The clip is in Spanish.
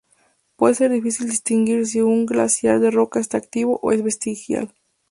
Puede ser difícil distinguir si un glaciar de roca esta activo o es vestigial.